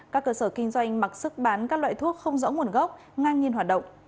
các cơ sở kinh doanh mặc sức bán các loại thuốc không rõ nguồn gốc ngang nhiên hoạt động